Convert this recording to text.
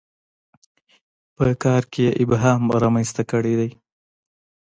په کار کې یې ابهام رامنځته کړی دی.